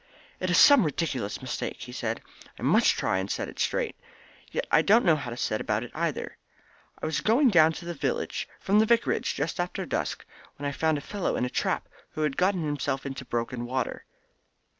"It is some ridiculous mistake," he said. "I must try and set it right. Yet I don't know how to set about it either. I was going down to the village from the Vicarage just after dusk when I found a fellow in a trap who had got himself into broken water.